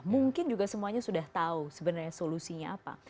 mungkin juga semuanya sudah tahu sebenarnya solusinya apa